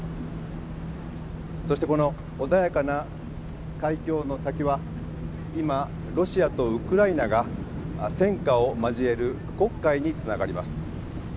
そしてこの穏やかな海峡の先は今ロシアとウクライナが戦火を交える黒海につながります。